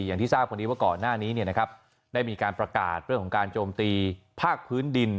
อย่างที่ทราบวันนี้ว่าก่อนหน้านี้ได้มีการประกาศเรื่องของการโจมตีภาคพื้นดิน